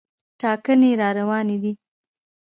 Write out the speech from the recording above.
ټاکنې راروانې دي.